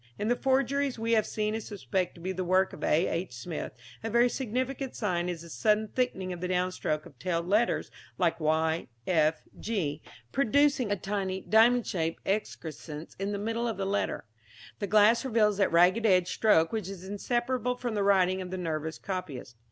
In the forgeries we have seen and suspect to be the work of A. H. Smith, a very significant sign is a sudden thickening of the downstrokes of tailed letters like y, f, g, producing a tiny diamond shaped excrescence in the middle of the letter. The glass reveals that ragged edged stroke which is inseparable from the writing of the nervous copyist.